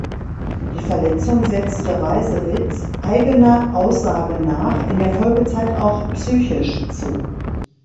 Die Verletzung setzte Reisewitz eigener Aussage nach in der Folgezeit auch psychisch zu.